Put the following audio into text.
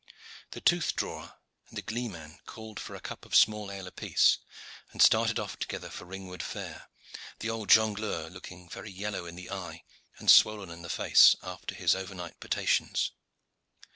The tooth drawer and the gleeman called for a cup of small ale apiece, and started off together for Ringwood fair, the old jongleur looking very yellow in the eye and swollen in the face after his overnight potations.